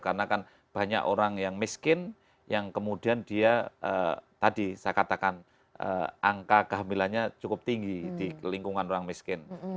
karena kan banyak orang yang miskin yang kemudian dia tadi saya katakan angka kehamilannya cukup tinggi di lingkungan orang miskin